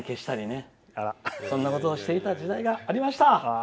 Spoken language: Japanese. そんなことをしていた時代がありました。